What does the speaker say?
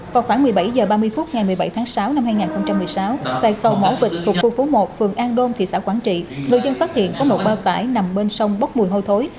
vào khoảng một mươi bảy h ba mươi phút ngày một mươi bảy tháng sáu năm hai nghìn một mươi sáu tại cầu mỏ vịnh thuộc khu phố một phường an đôn thị xã quảng trị người dân phát hiện có một bao tải nằm bên sông bốc mùi hôi thối